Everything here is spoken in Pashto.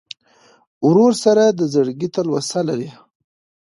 ورور سره د زړګي تلوسه لرې.